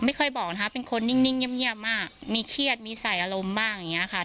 ไม่เคยบอกนะคะเป็นคนนิ่งเงียบมากมีเครียดมีใส่อารมณ์บ้างอย่างนี้ค่ะ